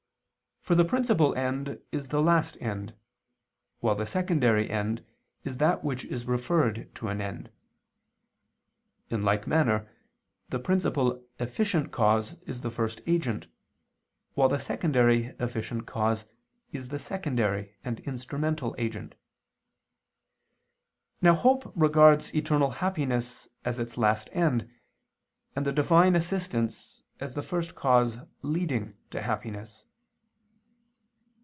For the principal end is the last end, while the secondary end is that which is referred to an end. In like manner the principal efficient cause is the first agent, while the secondary efficient cause is the secondary and instrumental agent. Now hope regards eternal happiness as its last end, and the Divine assistance as the first cause leading to happiness.